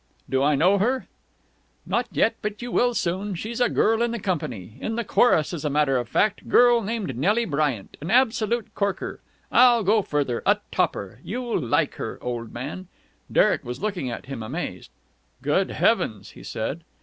"Do I know her?" "Not yet, but you will soon. She's a girl in the company in the chorus as a matter of fact. Girl named Nelly Bryant. An absolute corker. I'll go further a topper. You'll like her, old man." Derek was looking at him, amazed. "Good Heavens!" he said.